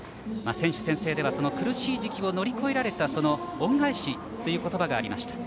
選手宣誓ではその苦しい時期を乗り越えられたその恩返しという言葉がありました。